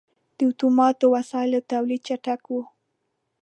• د اتوماتو وسایلو تولید چټک و.